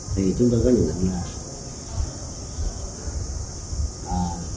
thì chúng tôi có nhận định là